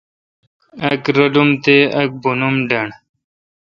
اک رالم تہ اک بونم ڈنڈ۔